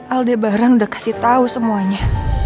aldebaran udah kasih tau semuanya